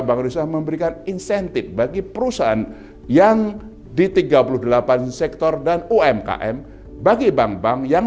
bank indonesia memberikan insentif bagi perusahaan yang di tiga puluh delapan sektor dan umkm bagi bank bank yang